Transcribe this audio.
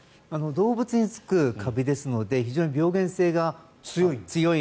動物につくカビですので非常に病原性が強い。